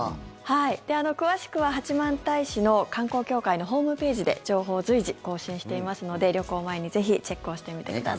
詳しくは八幡平市の観光協会のホームページで情報を随時更新していますので旅行前に、ぜひチェックをしてみてください。